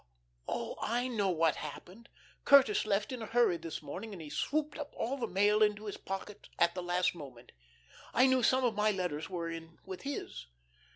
Oh, I know what happened. Curtis left in a hurry this morning, and he swooped all the mail into his pocket the last moment. I knew some of my letters were with his.